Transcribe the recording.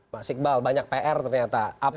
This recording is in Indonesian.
mas iqbal banyak pr ternyata